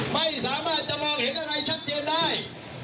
ไม่สามารถจะมองเห็นอะไรชัดเจนได้